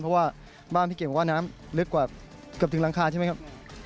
เพราะว่าบ้านพี่เก่งบอกว่าน้ำลึกกว่าเกือบถึงหลังคาใช่ไหมครับ